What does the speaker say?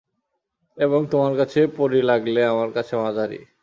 এবং তোমার কাছে পরী লাগলে আমার কাছে মাঝারি।